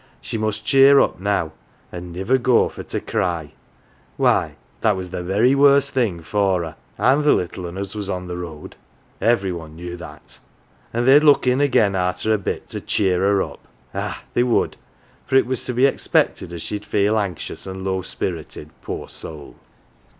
She must cheer up now, an' niver go for to cry ; why, that was the very worst thing for her, an' th' little 'un as was on the road every one knew that. An' they'd look in again arter a bit to cheer her up ah ! they would for it was to be expected as she'd feel anxious an' low spirited, poor soul."